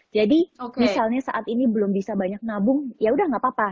jadi misalnya saat ini belum bisa banyak nabung ya udah gak apa apa